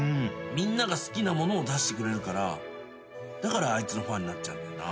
みんなが好きなものを出してくれるからだからあいつのファンになっちゃうんだよな。